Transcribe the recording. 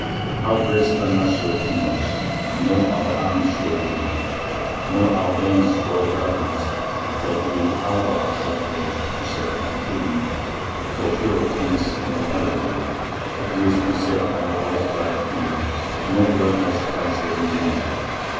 Our breasts are not so timorous, nor are our arms so weak, Nor are our veins so bloodless, that we our vow should break, To sell our freedom for the fear of prince or paladin: At least we'll sell our birthright dear no bloodless prize they'll win.